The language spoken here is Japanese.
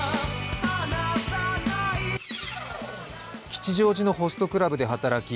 吉祥寺のホストクラブで働き